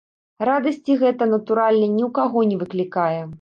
Радасці гэта, натуральна, ні ў каго не выклікае.